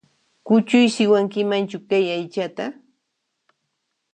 Kuchuysiwankimanchu kay aychata?